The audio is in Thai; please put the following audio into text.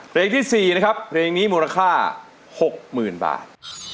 เพลงที่๔นะครับเพลงนี้มูลค่า๖๐๐๐บาท